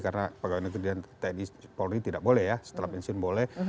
karena pegawai negeri dan teknik polri tidak boleh ya setelah pensiun boleh